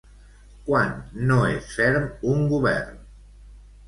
Quan no és ferm un govern?